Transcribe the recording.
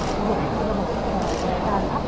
หรือระบบการอัพฟองที่จะยอมได้หลังขึ้น